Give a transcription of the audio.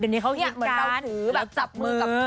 มีการแล้วจับมือ